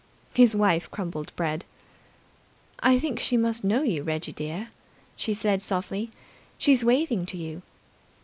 His wife crumbled bread. "I think she must know you, Reggie dear," she said softly. "She's waving to you."